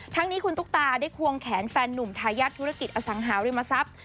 ทั้งนี้คุณตุ๊กตาได้ควงแขนแฟนหนุ่มทายาทธุรกิจอสังหาริมทรัพย์